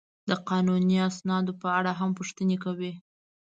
د قانوني اسنادو په اړه هم پوښتنې کوي.